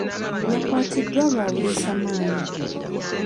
Yakwatiddwa lwa buliisa maanyi.